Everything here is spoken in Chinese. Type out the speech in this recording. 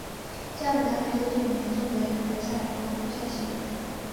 将与南美洲第五名争夺一个决赛周出线席位。